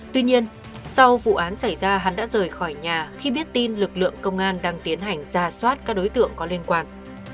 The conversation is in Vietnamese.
tuy nhiên sau vụ án xảy ra hắn đã rời khỏi nhà khi biết tin lực lượng công an đang tiến hành ra soát các đối tượng có liên quan